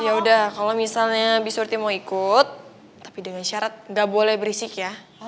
yaudah kalau misalnya bibi surti mau ikut tapi dengan syarat enggak boleh berisik ya